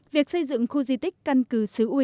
việc xây dựng khu di tích là một trong những điều đáng chú ý